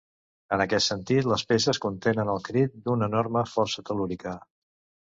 En aquest sentit, les peces contenen el crit d’una enorme força tel·lúrica.